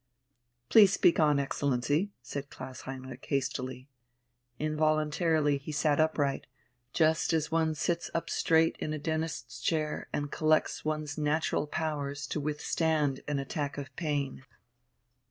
"Please speak on, Excellency," said Klaus Heinrich hastily. Involuntarily he sat upright, just as one sits up straight in a dentist's chair and collects one's natural powers to withstand an attack of pain.